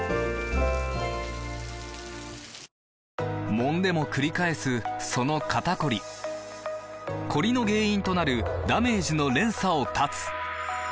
もんでもくり返すその肩こりコリの原因となるダメージの連鎖を断つ！